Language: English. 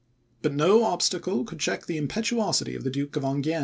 But no obstacle could check the impetuosity of the Duke of Enghien.